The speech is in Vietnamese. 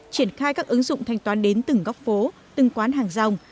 triển khai các ứng dụng thanh toán đến từng góc phố từng quán hàng rong